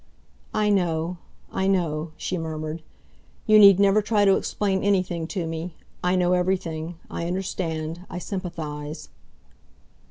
"I know I know," she murmured. "You need never try to explain anything to me. I know everything, I understand, I sympathise."